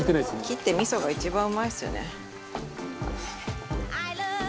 切って味噌が一番うまいですよね。